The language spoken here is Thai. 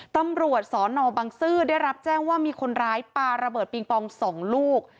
ตำรวจสนบังซื้อได้รับแจ้งว่ามีคนร้ายปลาระเบิดปิงปอง๒ลูก